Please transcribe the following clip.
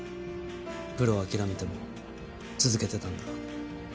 プロは諦めても続けてたんだ。